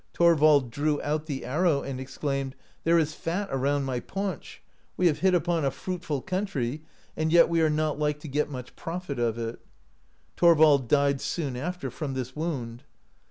Thorvald drew out the arrow, and exclaimed : "There is fat around my paunch; we have hit upon a fruitful country, and yet we are not like to get much profit of It/* Thorvald died soon after from this wound.